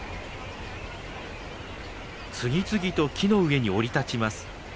次々と木の上に降り立ちます。